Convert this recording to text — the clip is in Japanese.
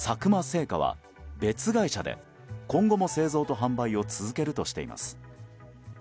製菓は別会社で今後も製造と販売を続けるとしています。